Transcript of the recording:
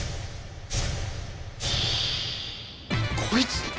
こいつ！？